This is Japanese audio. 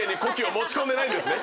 持ち込んでないんですね